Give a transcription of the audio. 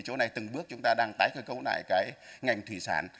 chỗ này từng bước chúng ta đang tái cơ cấu lại cái ngành thủy sản